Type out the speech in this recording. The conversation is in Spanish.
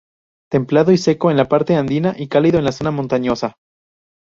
Templado y seco en la parte andina y cálido en la zona montañosa.